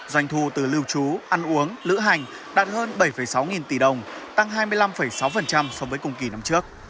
doanh thu từ lưu trú ăn uống lữ hành đạt hơn bảy sáu nghìn tỷ đồng tăng hai mươi năm sáu so với cùng kỳ năm trước